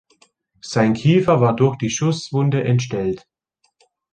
Sein Kiefer war durch die Schusswunde entstellt.